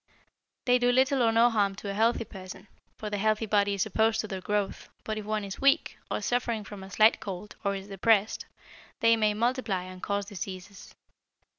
They do little or no harm to a healthy person, for the healthy body is opposed to their growth, but if one is weak, or suffering from a slight cold, or is depressed, they may multiply and cause diseases.